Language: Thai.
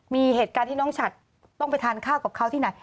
มีเหตุการณ์ที่น้องฉัดต้องไปทานข้าวกับเขาที่ไหน